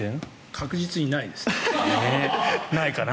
確実にないです。